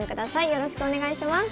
よろしくお願いします。